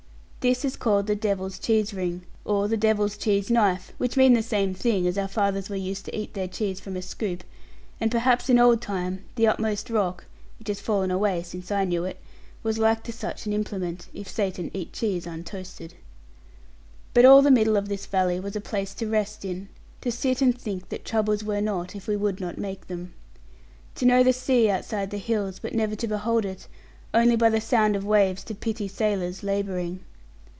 This is called the Devil's Cheese ring, or the Devil's Cheese knife, which mean the same thing, as our fathers were used to eat their cheese from a scoop; and perhaps in old time the upmost rock (which has fallen away since I knew it) was like to such an implement, if Satan eat cheese untoasted. But all the middle of this valley was a place to rest in; to sit and think that troubles were not, if we would not make them. To know the sea outside the hills, but never to behold it; only by the sound of waves to pity sailors labouring.